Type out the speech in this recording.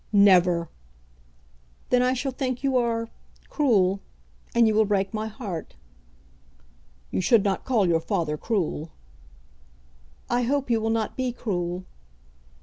"Never!" "Then I shall think you are cruel; and you will break my heart." "You should not call your father cruel." "I hope you will not be cruel."